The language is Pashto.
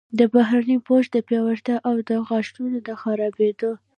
د بهرني پوښ د پیاوړتیا او د غاښونو د خرابیدو